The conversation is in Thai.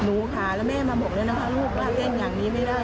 หนูค่ะแล้วแม่มาบอกเลยนะคะลูกว่าเล่นอย่างนี้ไม่ได้